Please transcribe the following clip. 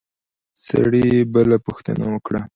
سړي بله پوښتنه وکړه.